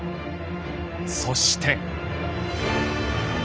そして。